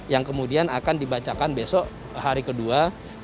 yang kemudian akan dibacakan besok hari kedua